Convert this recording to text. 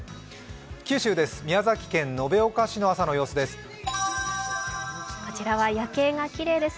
九州、宮崎県延岡市の朝の様子です。